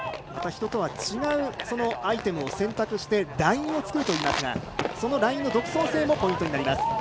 人とは違うアイテムを選択してラインを作るといいますがそのラインの独創性もポイントになります。